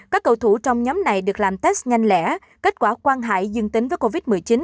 các cầu thủ trong nhóm này được làm test nhanh lẻ kết quả quang hải dân tính với covid một mươi chín